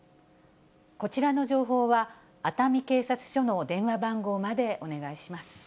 こちらの情報は、熱海警察署の電話番号までお願いします。